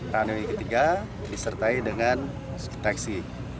runway ketiga disertai dengan taxi